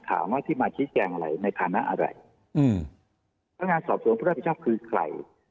ถามว่าที่มาชี้แจงอะไรในฐานะอะไรอืมพนักงานสอบสวนผู้รับผิดชอบคือใคร